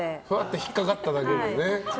引っかかっただけでね。